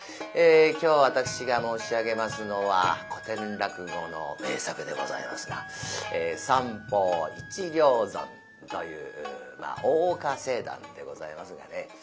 今日私が申し上げますのは古典落語の名作でございますが「三方一両損」という大岡政談でございますがね。